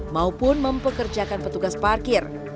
maupun mempekerjakan petugas parkir